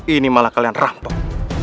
ini malah kalian rampok